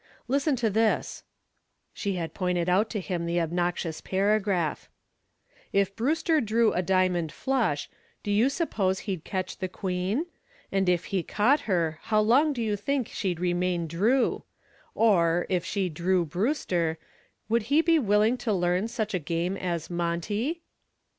Listen to this" she had pointed out to him the obnoxious paragraph "If Brewster Drew a diamond flush, do you suppose he'd catch the queen? And if he caught her, how long do you think she'd remain Drew? Or, if she Drew Brewster, would she be willing to learn such a game as Monte?"